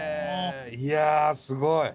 いやすごい。